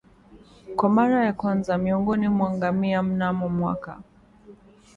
kwa mara ya kwanza miongoni mwa ngamia mnamo mwaka